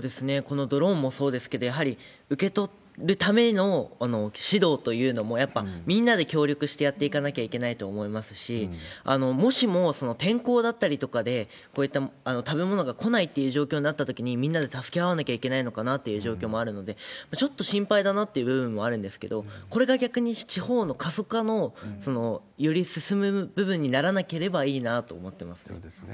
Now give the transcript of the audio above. このドローンもそうですけど、やはり受け取るための指導というのも、やっぱみんなで協力してやっていかなきゃいけないと思いますし、もしも天候だったりとかで、こういった食べ物が来ないという状況になったときにみんなで助け合わなきゃいけないのかなっていう状況もあるので、ちょっと心配だなという部分もあるんですけど、これが逆に地方の過疎化のより進む部分にならなければいいなと思そうですね。